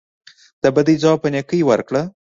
د بدۍ ځواب په نیکۍ ورکړه.